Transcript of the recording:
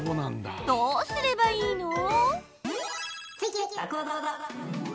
どうすればいいの？